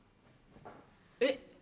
えっ？